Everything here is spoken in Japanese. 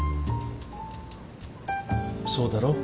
そうだろう？